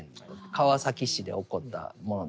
川崎市で起こったものですよね。